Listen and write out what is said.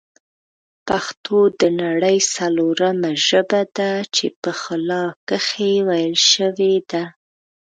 پښتو د نړۍ ځلورمه ژبه ده چې په خلا کښې ویل شوې ده